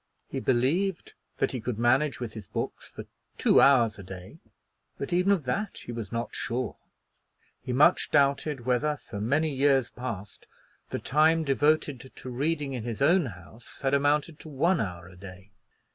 He believed that he could manage with his books for two hours a day; but even of that he was not sure. He much doubted whether for many years past the time devoted to reading in his own house had amounted to one hour a day.